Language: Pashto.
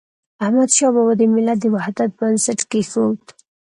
احمدشاه بابا د ملت د وحدت بنسټ کيښود.